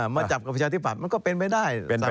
มาจับกับประชาธิบัตย์มันก็เป็นไปได้